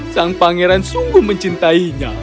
sang pangeran sungguh mencintainya